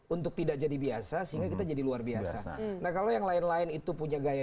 untuk tidak jadi biasa sehingga kita jadi luar biasa nah kalau yang lain lain itu punya gaya